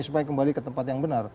supaya kembali ke tempat yang benar